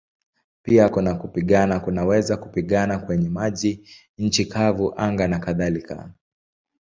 Pia kupigana kunaweza kupigana kwenye maji, nchi kavu, anga nakadhalika.